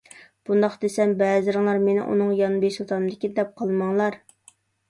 بۇنداق دېسەم بەزىلىرىڭلار مېنى ئۇنىڭغا يان بېسىۋاتامدىكىن دەپ قالماڭلار.